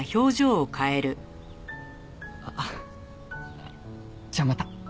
あっじゃあまた。